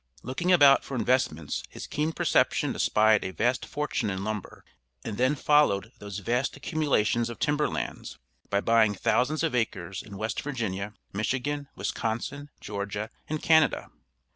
Looking about for investments, his keen perception espied a vast fortune in lumber, and then followed those vast accumulations of timber lands, by buying thousands of acres in West Virginia, Michigan, Wisconsin, Georgia and Canada.